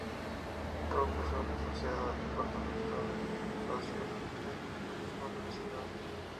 Profesora Asociada del departamento de Sociología en la misma universidad.